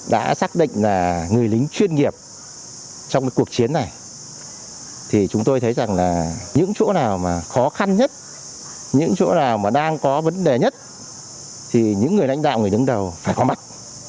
đã xác định là người lính chuyên nghiệp trong cái cuộc chiến này thì chúng tôi thấy rằng là những chỗ nào mà khó khăn nhất những chỗ nào mà đang có vấn đề nhất thì những người lãnh đạo người đứng đầu phải có mặt